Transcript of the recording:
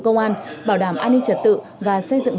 công an bảo đảm an ninh trật tự và xây dựng